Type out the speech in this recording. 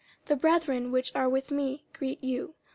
The brethren which are with me greet you.